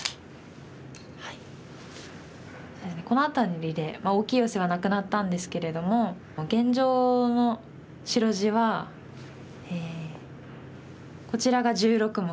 そうですねこの辺りで大きいヨセはなくなったんですけれども現状の白地はこちらが１６目。